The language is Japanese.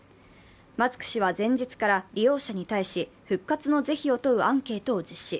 マスク氏は前日から利用者に対し、復活の是非を問うアンケートを実施。